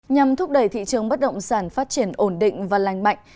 nhằm thúc đẩy thị trường bất động sản phát triển ổn định và lành mạnh